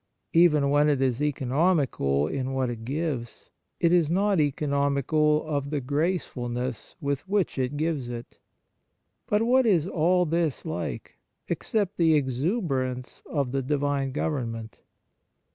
Even when it is economical in what it gives, it is not economical of the gracefulness with which it gives it. But what is all this like, except the exuberance of the Divine government